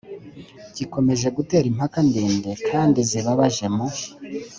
gikomeje gutera impaka ndende kandi zibabaje mu